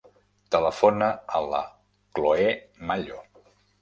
Telefona a la Chloé Mallo.